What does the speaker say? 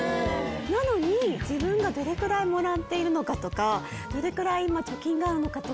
なのに自分がどれぐらいもらっているのかとかどれぐらい今貯金があるのかとか。